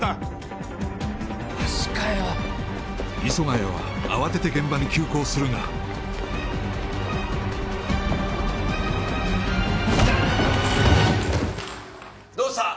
谷は慌てて現場に急行するがうっどうした？